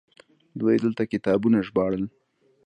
دوی دلته کتابونه ژباړل